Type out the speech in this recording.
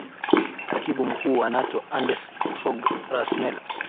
katibu mkuu wa nato andes forgrasmel